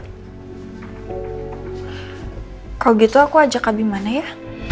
kalau gitu aku ajak abie mana ya